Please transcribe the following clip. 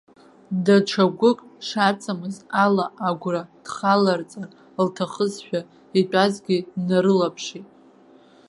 Даҽа гәык шаҵамыз ала агәра дхаларҵар лҭахызшәа итәазгьы днарылаԥшит.